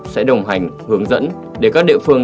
sẽ đồng hành hướng dẫn để các địa phương